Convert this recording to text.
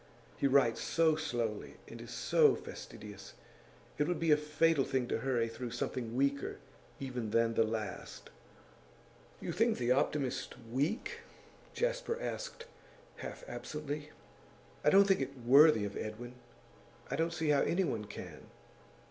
He writes so slowly, and is so fastidious. It would be a fatal thing to hurry through something weaker even than the last.' 'You think "The Optimist" weak?' Jasper asked, half absently. 'I don't think it worthy of Edwin; I don't see how anyone can.